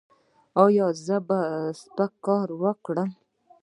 ایا زه باید سپک کار وکړم؟